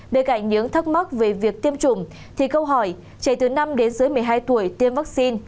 bên cạnh những thắc mắc về việc tiêm chủng thì câu hỏi trẻ từ năm đến dưới một mươi hai tuổi tiêm vaccine